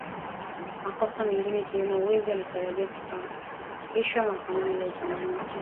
makosa mengine ikiwemo wizi, alitarajiwa kufikishwa mahakamani leo Jumanne